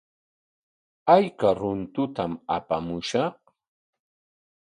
¿Ayka runtutam apamushqa?